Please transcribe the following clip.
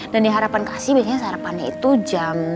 dan di harapan kasih biasanya sarapannya itu jam tujuh tiga puluh